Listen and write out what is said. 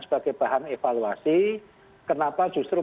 sebagai bahan evaluasi kenapa justru